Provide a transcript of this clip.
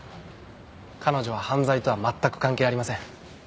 彼女は犯罪とは全く関係ありません。